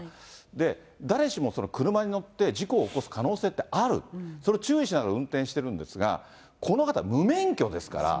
で、誰しも車に乗って事故を起こす可能性はある、それを注意しながら運転してるんですが、この方、無免許ですから。